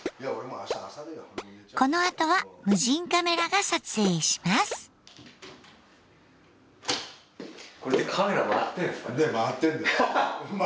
このあとは無人カメラが撮影します。